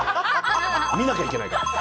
見なきゃいけないから。